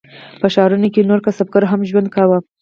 په ښارونو کې نورو کسبګرو هم ژوند کاوه.